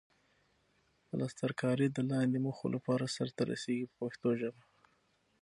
پلسترکاري د لاندې موخو لپاره سرته رسیږي په پښتو ژبه.